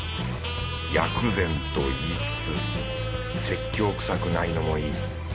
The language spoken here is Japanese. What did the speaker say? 薬膳といいつつ説教くさくないのもいい。